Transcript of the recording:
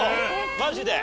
マジで？